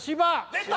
出た！